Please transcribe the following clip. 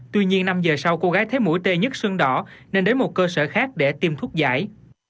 tuy nhiên năm giờ sau cô gái thấy mũi tê nhất xương đỏ nên đến một cơ sở khác để tiêm thuốc giải